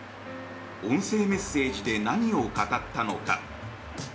音声メッセージで何を語ったのか。